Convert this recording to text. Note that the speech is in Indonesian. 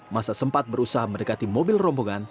masa sempat berusaha mendekati mobil rombongan